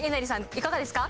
いかがですか？